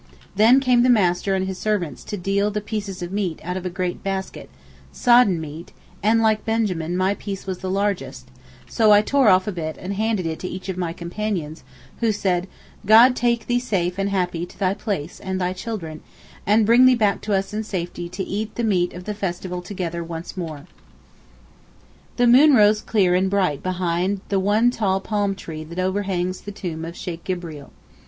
Then came the master and his servants to deal the pieces of meat out of a great basket—sodden meat—and like Benjamin my piece was the largest, so I tore off a bit and handed it to each of my companions, who said 'God take thee safe and happy to thy place and thy children and bring thee back to us in safety to eat the meat of the festival together once more.' The moon rose clear and bright behind the one tall palm tree that overhangs the tomb of Sheykh Gibreel.